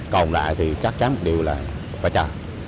còn lại thì chắc chắn một điều là phải chờ